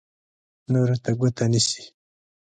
نورو ته ګوته نیسي.